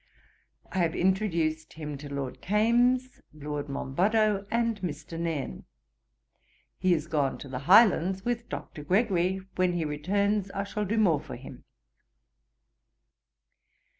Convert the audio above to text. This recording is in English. I have introduced him to Lord Kames, Lord Monboddo, and Mr. Nairne. He is gone to the Highlands with Dr. Gregory; when he returns I shall do more for him.